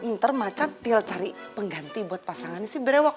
ntar macan telfari pengganti buat pasangannya sih berewak